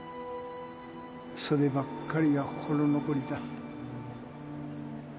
そればっかりが心残りだ。